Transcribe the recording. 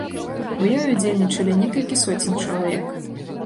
У ёй удзельнічалі некалькі соцень чалавек.